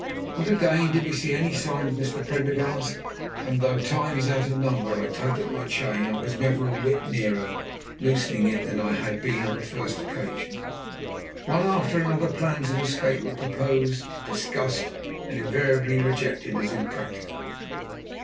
Not again did we see any sign of Mr. Prendergast, and though times out of number I tugged at my chain I was never a whit nearer loosening it than I had been on the first occasion. One after another plans of escape were proposed, discussed, and invariably rejected as impracticable.